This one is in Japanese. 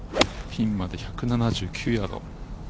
ピンまで１２９ヤード。